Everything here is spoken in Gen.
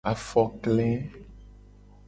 Afokle.